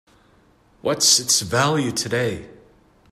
What's its value today?